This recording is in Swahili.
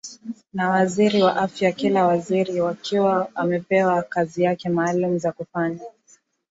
na waziri wa afya kila waziri akiwa amepewa kazi zake maalum za kufanya